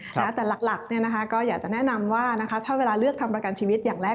แต่หลักก็อยากจะแนะนำว่าถ้าเวลาเลือกทำประกันชีวิตอย่างแรก